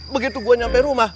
begitu gue nyampe rumah